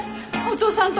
お父さん。